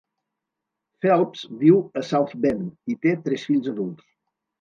Phelps viu a South Bend i té tres fills adults.